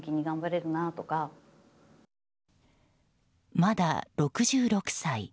まだ６６歳。